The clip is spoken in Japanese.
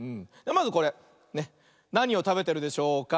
まずこれなにをたべてるでしょうか。